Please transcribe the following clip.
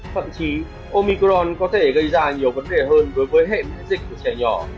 thậm chí omicron có thể gây ra nhiều vấn đề hơn đối với hệ dịch của trẻ nhỏ